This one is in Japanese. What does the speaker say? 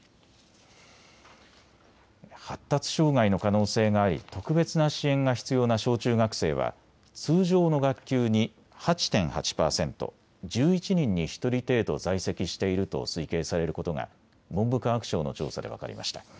発達障害の可能性があり特別な支援が必要な小中学生は通常の学級に８．８％、１１人に１人程度在籍していると推計されることが文部科学省の調査で分かりました。